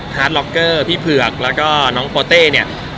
ล็อกเกอร์พี่เผือกแล้วก็น้องโปเต้เนี่ย